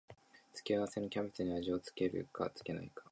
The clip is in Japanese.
付け合わせのキャベツに味を付けるか付けないか